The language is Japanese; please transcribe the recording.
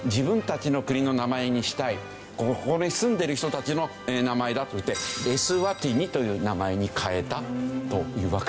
ここに住んでる人たちの名前だと言ってエスワティニという名前に変えたというわけですね。